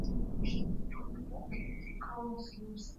na kwa upande wa tanzania baroo